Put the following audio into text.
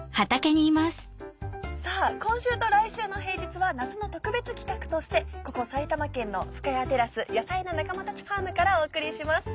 さぁ今週と来週の平日は夏の特別企画としてここ埼玉県の深谷テラスヤサイな仲間たちファームからお送りします。